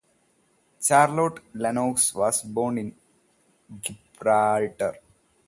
Charlotte Lennox was born in Gibraltar.